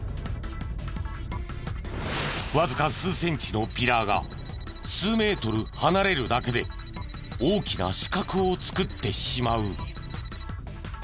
わずか数センチのピラーが数メートル離れるだけで大きな死角を作ってしまう。